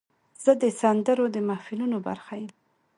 زه د سندرو د محفلونو برخه یم.